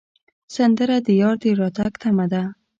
سندره د یار د راتګ تمه ده